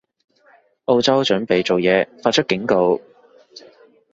澳洲準備做嘢，發出警告